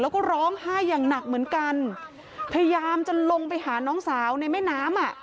แล้วก็ร้องไห้อย่างหนักเหมือนกันพยายามจะลงไปหาน้องสาวในแม่น้ำอ่ะ